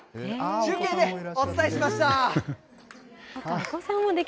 中継でお伝えしました。